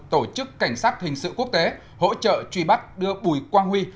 tổ chức cảnh sát hình sự quốc tế hỗ trợ truy bắt đưa bùi quang huy